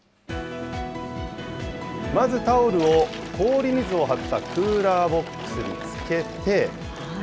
まずタオルを氷水を張ったクーラーボックスにつけて。